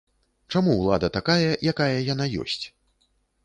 Чаму ўлада такая, якая яна ёсць?